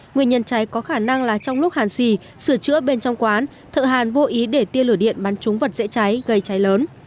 nguyên nhân cháy có khả năng là trong lúc hàn xì sửa chữa bên trong quán thợ hàn vô ý để tiên lửa điện bắn trúng vật dễ cháy gây cháy lớn